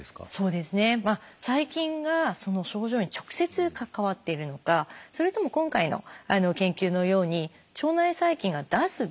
細菌がその症状に直接関わっているのかそれとも今回の研究のように腸内細菌が出す物質がですね